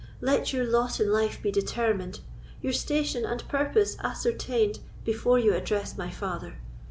Let your lot in life be determined—your station and purpose ascertained, before you address my father.